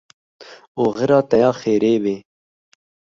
Oxira te ya xêrê be.